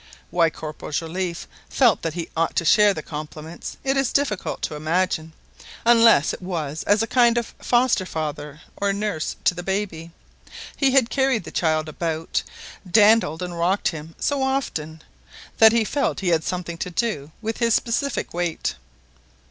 Why Corporal Joliffe felt that he ought to share the compliments it is difficult to imagine, unless it was as a kind of foster father or nurse to the baby. He had carried the child about, dandled and rocked him so often, that he felt he had something to do with his specific weight!